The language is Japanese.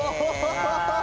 ハハハッ。